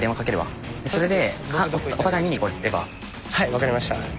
分かりました。